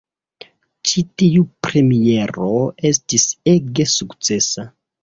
Ĉi tiu premiero estis ege sukcesa.